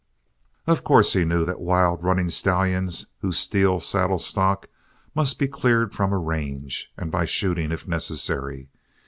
Of course he knew that wild running stallions who steal saddle stock must be cleared from a range, and by shooting if necessary.